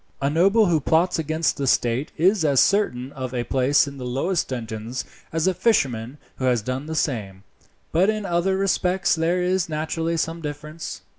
"A noble who plots against the state is as certain of a place in the lowest dungeons as a fisherman who has done the same; but in other respects there is naturally some difference."